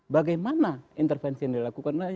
bagaimana intervensi yang dilakukan